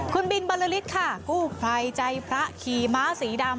คุณบินบรรลฤทธิ์ค่ะกู้ภัยใจพระขี่ม้าสีดำ